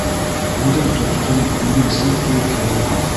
Үҙең тотҡон, үҙең сәп кеүек яланғас.